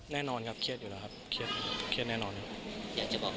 แน่นอนครับเครียดไว้ครับเครียดแน่นอนนะครับ